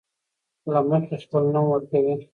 له مخې خپل نوم ورکوي.